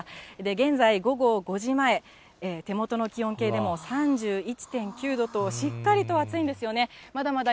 現在、午後５時前、手元の気温計でも３１．９度と、しっかりと暑いんですよね。